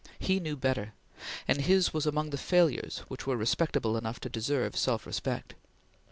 He knew better, and his was among the failures which were respectable enough to deserve self respect.